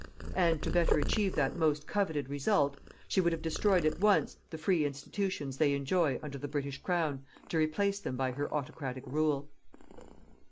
And to better achieve that most coveted result, she would have destroyed at once the free institutions they enjoy under the British Crown to replace them by her autocratic rule.